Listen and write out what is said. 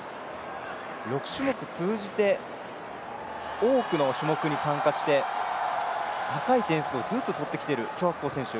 ６種目通じて多くの種目に参加して、高い点数をずっと取ってきている張博恒選手